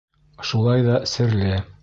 Шулай ҙа серле.